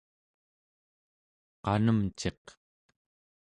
qanemciq